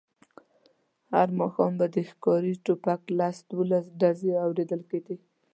هر ماښام به د ښکاري ټوپکو لس دولس ډزې اورېدل کېدې.